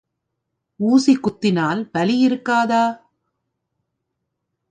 ஊசி குத்தினால் வலி இருக்காதா?